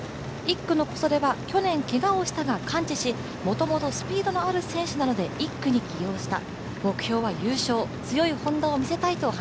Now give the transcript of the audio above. １区の小袖は去年けがをしたが完治し、もともとスピードのある選手なので１区に起用した。